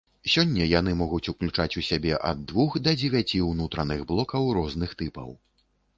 Сёння яны могуць ўключаць у сябе ад двух да дзевяці ўнутраных блокаў розных тыпаў.